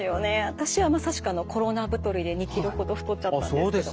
私はまさしくコロナ太りで２ｋｇほど太っちゃったんですけど。